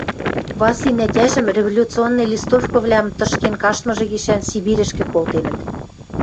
Васлин ӓтяжӹм революционный листовкывлӓм тышкен каштмыжы гишӓн Сибирьӹшкӹ колтенӹт...